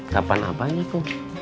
kapan apanya kum